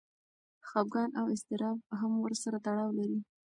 خپګان او اضطراب هم ورسره تړاو لري.